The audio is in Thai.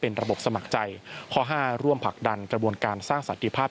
ระบบสมัครใจข้อห้าร่วมผลักดันกระบวนการสร้างสันติภาพ